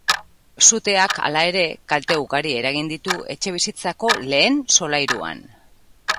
Suteak, hala ere, kalte ugari eragin ditu etxebizitzako lehen solairuan.